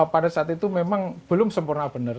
pada saat itu memang belum sempurna benar